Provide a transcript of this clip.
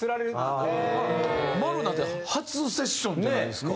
マルなんて初セッションじゃないですか。